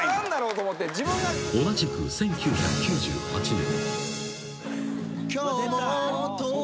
［同じく１９９８年］